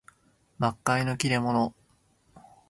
幕閣の利れ者